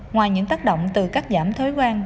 ngoài những tác động từ các giảm thối quan